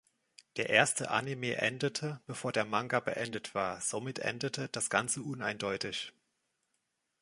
Der erste Anime endete, bevor der Manga beendet war, somit endete das ganze uneindeutig.